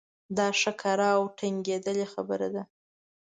دا ښه کره او ټنګېدلې خبره ده.